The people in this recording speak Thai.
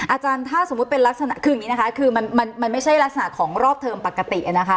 อาจารย์ถ้าสมมุติเป็นลักษณะคืออย่างนี้นะคะคือมันไม่ใช่ลักษณะของรอบเทอมปกตินะคะ